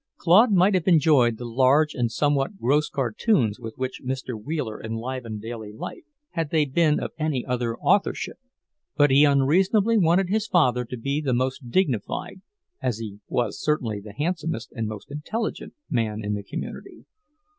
Claude might have enjoyed the large and somewhat gross cartoons with which Mr. Wheeler enlivened daily life, had they been of any other authorship. But he unreasonably wanted his father to be the most dignified, as he was certainly the handsomest and most intelligent, man in the community.